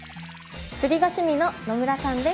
釣りが趣味の野村さんです。